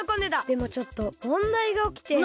でもちょっともんだいがおきて。